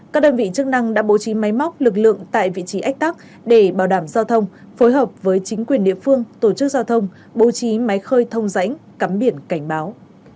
các đơn vị chức năng đã bố trí máy móc lực lượng tại vị trí ách tắc để bảo đảm giao thông phối hợp với chính quyền địa phương tổ chức giao thông bố trí máy khơi thông rãnh cắm biển cảnh báo